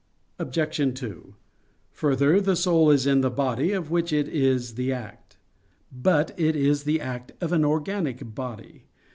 Obj. 2: Further, the soul is in the body of which it is the act. But it is the act of an organic body.